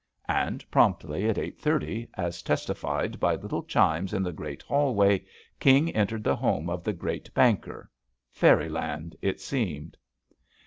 And promptly at eight thirty, as testified by little chimes in the great hallway, King en tered the home of the great banker — fairy land, it seemed.